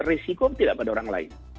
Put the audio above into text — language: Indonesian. anda melihat risiko atau tidak pada orang lain